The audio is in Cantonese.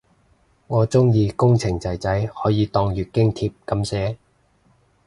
我鍾意工程仔仔可以當月經帖噉寫